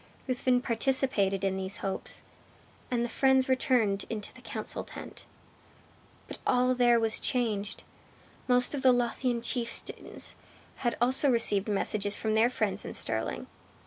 Ruthven participated in these hopes, and the friends returned into the council tent. But all there was changed. Most of the Lothian chieftains had also received messages from their friends in Stirling.